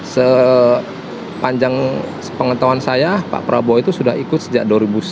sepanjang pengetahuan saya pak prabowo itu sudah ikut sejak dua ribu sembilan belas